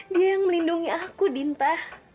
dia yang melindungi aku dinta